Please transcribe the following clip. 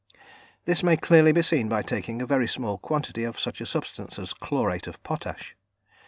This may clearly be seen by taking a very small quantity of such a substance as chlorate of potash.